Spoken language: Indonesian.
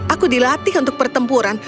aku dilatih untuk pertempuran